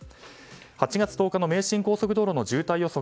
８月１０日の名神高速道路の渋滞予測